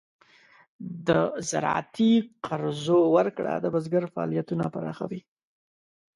د زراعتي قرضو ورکړه د بزګر فعالیتونه پراخوي.